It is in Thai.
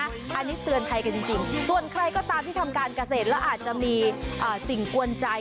อันนี้เตือนภัยกันจริงส่วนใครก็ตามที่ทำการเกษตรแล้วอาจจะมีสิ่งกวนใจ